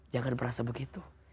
jangan merasa begitu